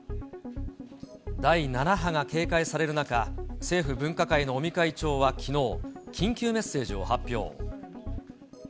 第７波が警戒される中、政府分科会の尾身会長はきのう、緊急メッセージを発表。